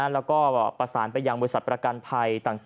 และประสานไปยังบริษัทปราการภัย